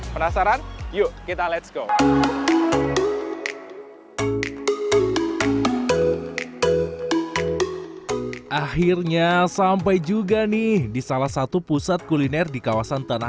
penasaran yuk kita ⁇ lets ⁇ go akhirnya sampai juga nih di salah satu pusat kuliner di kawasan tanah